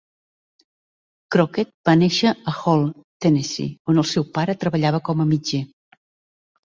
Crockett va néixer a Hall, Tennessee, on el seu pare treballava com a mitger.